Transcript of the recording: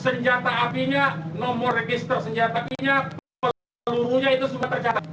senjata apinya nomor register senjata apinya seluruhnya itu sudah tercatat